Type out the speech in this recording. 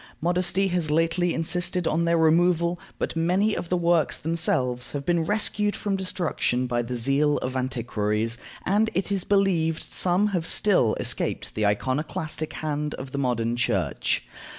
Modesty has lately insisted on their removal, but many of the works themselves have been rescued from destruction by the zeal of antiquaries, and it is believed some have still escaped the iconoclastic hand of the modern Church.